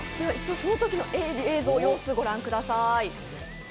そのときの映像、様子ご覧ください。